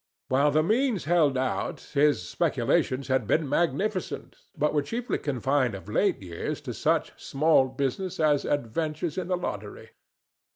While the means held out his speculations had been magnificent, but were chiefly confined of late years to such small business as adventures in the lottery.